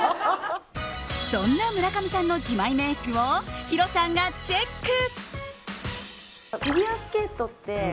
そんな村上さんの自前メイクをヒロさんがチェック。